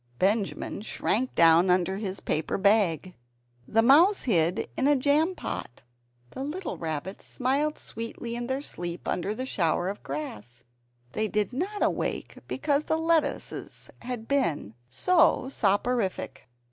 Benjamin shrank down under his paper bag. The mouse hid in a jam pot. The little rabbits smiled sweetly in their sleep under the shower of grass; they did not awake because the lettuces had been so soporific.